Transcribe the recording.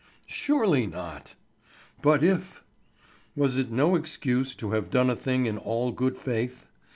Surely not! But if Was it no excuse to have done a thing in all good faith?